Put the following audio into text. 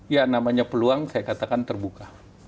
ya namanya peluang saya katakan terbuka